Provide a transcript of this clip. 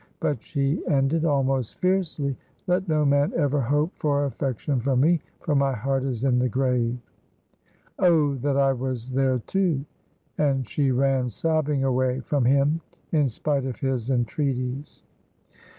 But she ended almost fiercely: "Let no man ever hope for affection from me, for my heart is in the grave. Oh, that I was there, too!" And she ran sobbing away from him in spite of his entreaties.